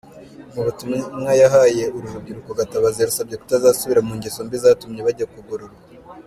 Mu butumwa yahaye uru rubyiruko, Gatabazi yarusabye kutazasubira mu ngeso mbi zatumye bajya kugororwa.